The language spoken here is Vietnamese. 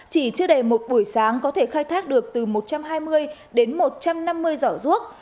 chỉ chưa đầy một buổi sáng có thể khai thác được từ một trăm hai mươi đến một trăm năm mươi giỏ ruốc